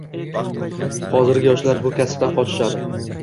hozirgi yoshlar bu kasbdan qochishadi.